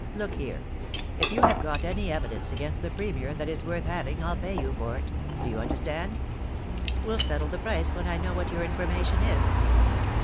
* Look here; if you have got any evidence against the Premier that is worth having I'll pay you for it — do you understand ? We'll settle the price when I know what your information is.